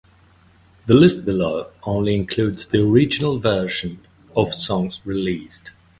The list below only includes the original version of songs released.